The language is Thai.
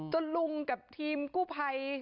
จนลุงกับทีมกู้ภัย